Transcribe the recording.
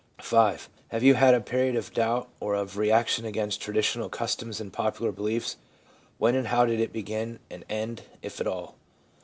V. Have you had a period of doubt or of reaction against traditional customs and popular beliefs ? When and how did it begin and end, if at all?